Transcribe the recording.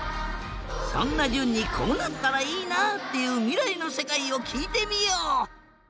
そんなじゅんにこうなったらいいなっていうみらいのせかいをきいてみよう。